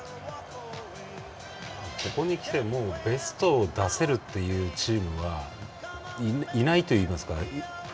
ここにきてベストを出せるっていうチームはいないといいますか。